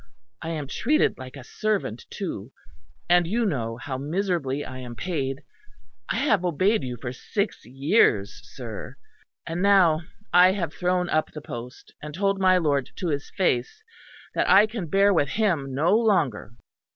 I am treated like a servant, too; and you know how miserably I am paid, I have obeyed you for six years, sir; and now I have thrown up the post and told my lord to his face that I can bear with him no longer."